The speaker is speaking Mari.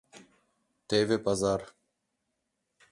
— Теве пазар.